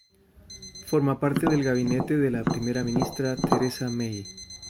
Forma parte del Gabinete de la primera ministra Theresa May.